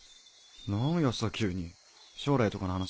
何やさ急に将来とかの話？